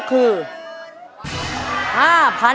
เท่าไหร่